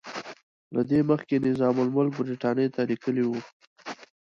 له دې مخکې نظام الملک برټانیې ته لیکلي وو.